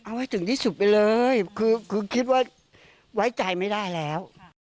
เอาให้ถึงที่สุดไปเลยคือคิดว่าไว้ใจไม่ได้แล้ว